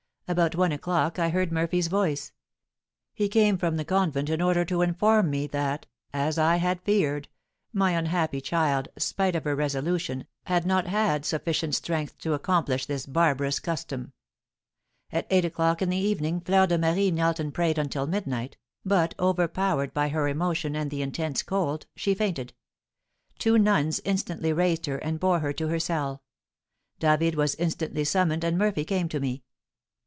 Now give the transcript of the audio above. About one o'clock I heard Murphy's voice. He came from the convent in order to inform me that, as I had feared, my unhappy child, spite of her resolution, had not had sufficient strength to accomplish this barbarous custom. At eight o'clock in the evening Fleur de Marie knelt and prayed until midnight, but, overpowered by her emotion and the intense cold, she fainted; two nuns instantly raised her, and bore her to her cell. David was instantly summoned, and Murphy came to me.